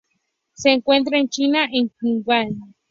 Se encuentra en China en Qinghai.